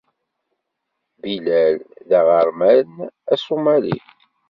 Bilal d aɣerman asumali.